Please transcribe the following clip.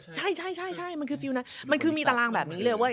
ใช่ใช่ใช่มันคือมีตารางแบบนี้เลยเว้ย